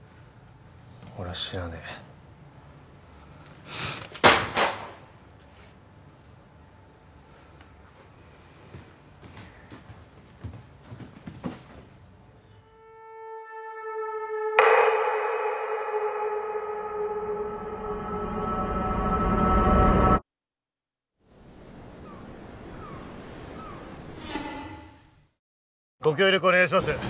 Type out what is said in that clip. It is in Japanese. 俺は知らねえご協力お願いします